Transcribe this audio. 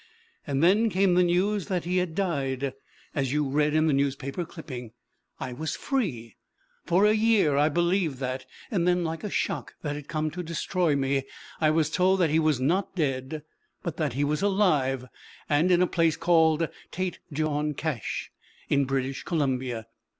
And then came the news that he had died, as you read in the newspaper clipping. I was free! For a year I believed that; and then, like a shock that had come to destroy me, I was told that he was not dead but that he was alive, and in a place called Tête Jaune Cache, in British Columbia.